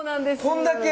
こんだけ？